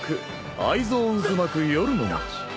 愛憎渦巻く夜の街。